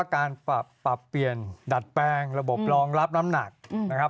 การปรับเปลี่ยนดัดแปลงระบบรองรับน้ำหนักนะครับ